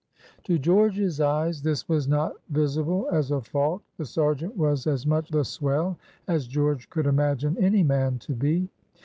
To George's eyes this was not visible as a fault. The sergeant was as much "the swell" as George could imagine any man to be.